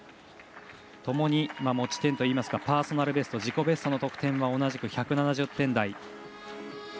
ともに持ち点というかパーソナルベスト自己ベストの得点は同じく１７０点台。